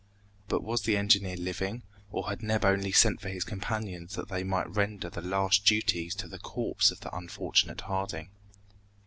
But was the engineer living, or had Neb only sent for his companions that they might render the last duties to the corpse of the unfortunate Harding?